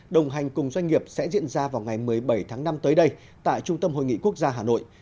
đồng hành cùng doanh nghiệp sẽ diễn ra vào ngày một mươi bảy tháng năm tới đây tại trung tâm hội nghị quốc gia hà nội